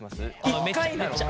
１回なのか。